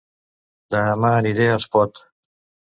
Dema aniré a Espot